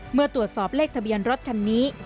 เมื่อตรวจสอบเลขทะเบียนรถคันนี้